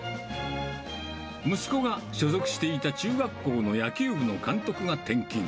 息子が所属していた中学校の野球部の監督が転勤。